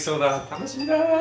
楽しみだ。